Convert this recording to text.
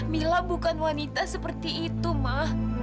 mila bukan wanita seperti itu mah